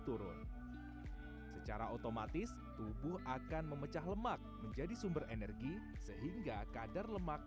turun secara otomatis tubuh akan memecah lemak menjadi sumber energi sehingga kadar lemak